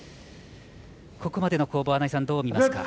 ここまでの攻防は穴井さん、どう見ますか？